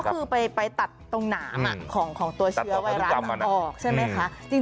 ก็คือไปตัดตรงหนามของตัวเชื้อไวรัสออกใช่ไหมคะ